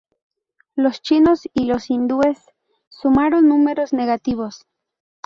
Los chinos y los hindúes sumaron números negativos.